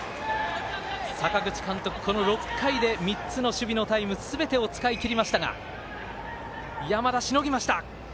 阪口監督、この６回で３つの守備のタイムすべてを使い切りましたが山田、しのぎました。